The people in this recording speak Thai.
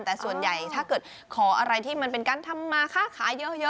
แต่ส่วนใหญ่ถ้าเกิดขออะไรที่มันเป็นการทำมาค่าขายเยอะ